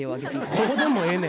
どうでもええねん。